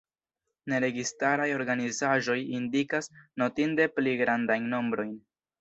Neregistaraj organizaĵoj indikas notinde pli grandajn nombrojn.